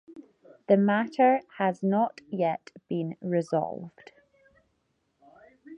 The matter has not yet been resolved.